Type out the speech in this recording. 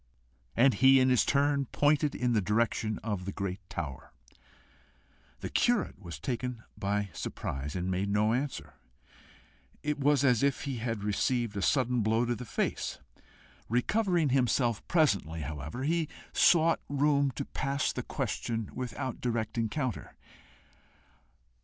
And he in his turn pointed in the direction of the great tower. The curate was taken by surprise and made no answer: it was as if he had received a sudden blow in the face. Recovering himself presently, however, he sought room to pass the question without direct encounter.